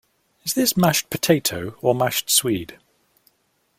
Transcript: Is this mashed potato or mashed swede?